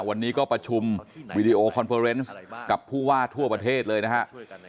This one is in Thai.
วันนี้ก็ประชุมวีดีโอคอนเฟอร์เนสกับผู้ว่าทั่วประเทศเลยนะครับ